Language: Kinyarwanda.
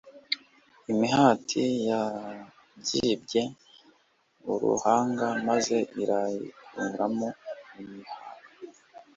Imihati yabyimbye uruhanga maze irayikuramo iminkanyari